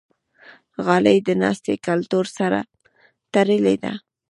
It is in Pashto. غالۍ د ناستې کلتور سره تړلې ده.